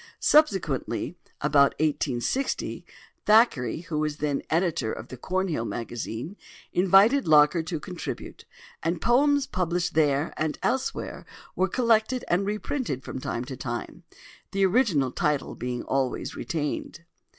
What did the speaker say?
'" Subsequently, about 1860, Thackeray, who was then editor of the Cornhill Magazine, invited Locker to contribute; and poems published there and elsewhere were collected and reprinted from time to time, the original title being always retained.